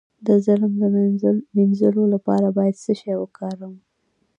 د ظلم د مینځلو لپاره باید څه شی وکاروم؟